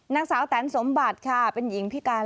นางสาวแตนสมบัติค่ะเป็นหญิงพิการ